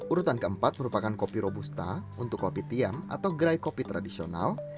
urutan keempat merupakan kopi robusta untuk kopi tiam atau gerai kopi tradisional